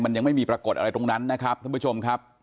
มันยังไม่มีปรากฏอะไรตรงนั้นนะครับท่านผู้ชมครับ